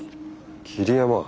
桐山！